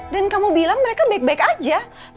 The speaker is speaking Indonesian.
dan kamu bilang mereka baik baik aja